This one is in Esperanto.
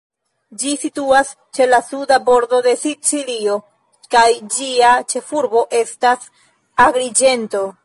Ĝi situas ĉe la suda bordo de Sicilio, kaj ĝia ĉefurbo estas Agriĝento.